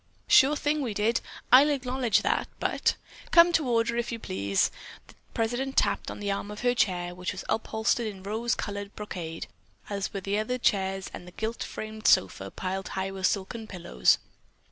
"Sure thing we did, I'll acknowledge that, but——" "Come to order, if you please!" the president tapped on the arm of her chair, which was upholstered in rose colored brocade as were the other chairs and the gilt framed sofa piled high with silken pillows.